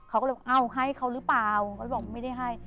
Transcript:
เขาก็เลยเอาให้เขาหรือเปล่าเขาบอกไม่ได้ให้